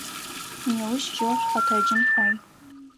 Неущ жьэу шъукъэтэджын фай.